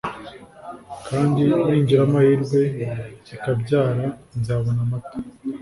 kandi ningira amahirwe ikabyara nzabona amata